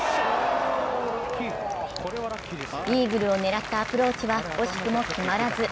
イーグルを狙ったアプローチは惜しくも決まらず。